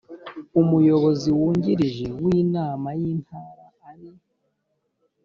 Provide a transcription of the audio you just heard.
amuyobozi wungirije w inama y intara ari